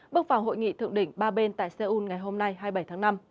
bước vào hội nghị thượng đỉnh ba bên tại seoul ngày hôm nay hai mươi bảy tháng năm